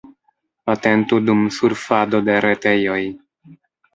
Atentu dum surfado de retejoj.